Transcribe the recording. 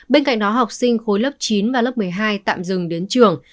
bên cạnh đó học sinh khối lớp chín và lớp một mươi hai tạm dừng đến trường